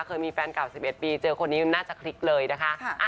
เคยมีแฟนเก่า๑๑ปีเจอคนนี้น่าจะคลิกเลยนะคะ